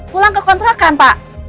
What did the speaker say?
pulang ke kontrakan pak